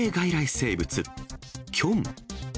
生物、キョン。